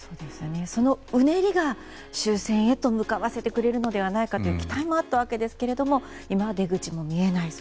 そのうねりが終戦へと向かわせてくれるのではないかという期待もあったわけですけど今は出口も見えない。